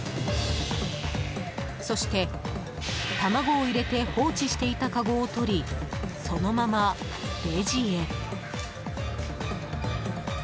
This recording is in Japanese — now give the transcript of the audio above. そして、卵を入れて放置していたかごを取り、そのままレジへ。